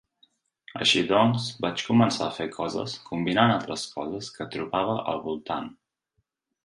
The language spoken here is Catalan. Així doncs vaig començar a fer coses combinant altres coses que trobava al voltant.